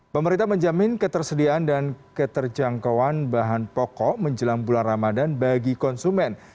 pemerintah menjamin ketersediaan dan keterjangkauan bahan pokok menjelang bulan ramadan bagi konsumen